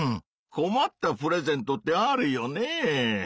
こまったプレゼントってあるよねぇ。